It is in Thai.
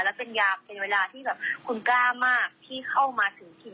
และเป็นยาเป็นเวลาที่แบบคุณกล้ามากที่เข้ามาถึงคิด